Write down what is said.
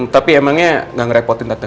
tapi emangnya gak ngerepotin data